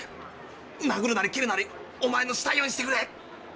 なぐるなりけるなりおまえのしたいようにしてくれ！